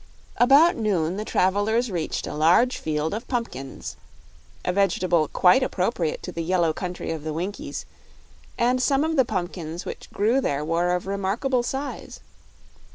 About noon the travelers reached a large field of pumpkins a vegetable quite appropriate to the yellow country of the Winkies and some of the pumpkins which grew there were of remarkable size.